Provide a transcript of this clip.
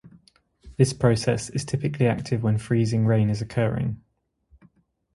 This process is typically active when freezing rain is occurring.